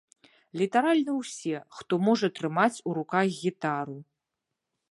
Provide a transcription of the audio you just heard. Літаральна ўсе, хто можа трымаць у руках гітару.